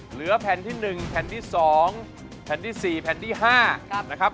เหลือแผ่นที่๑แผ่นที่๒แผ่นที่๔แผ่นที่๕นะครับ